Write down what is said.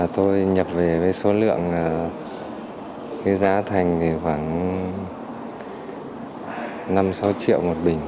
tôi nhập về với số lượng cái giá thành thì khoảng năm sáu triệu một bình